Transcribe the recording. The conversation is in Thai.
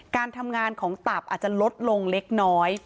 การทำงานของตับอาจจะลดลงเล็กน้อย